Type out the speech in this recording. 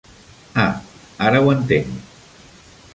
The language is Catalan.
Ah, ara ho entenc.